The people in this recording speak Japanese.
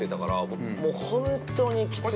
僕も本当に、きつい。